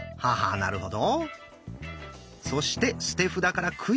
なるほど。